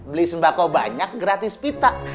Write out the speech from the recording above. beli sembako banyak gratis pita